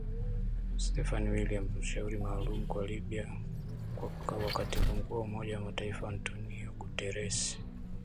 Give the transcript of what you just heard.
Stephanie Williams mshauri maalum kwa Libya wa katibu mkuu wa Umoja wa Mataifa Antonio Guterres